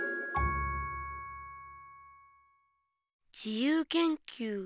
自由研究。